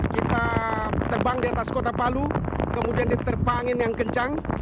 kita terbang di atas kota palu kemudian diterpa angin yang kencang